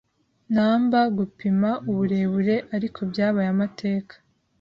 numberGupima uburebure ariko byabaye amateka